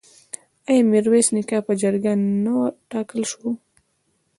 آیا میرویس نیکه په جرګه نه وټاکل شو؟